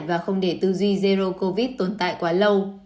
và không để tư duy erdo covid tồn tại quá lâu